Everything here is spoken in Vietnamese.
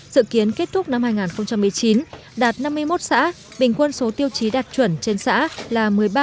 dự kiến kết thúc năm hai nghìn một mươi chín đạt năm mươi một xã bình quân số tiêu chí đạt chuẩn trên xã là một mươi ba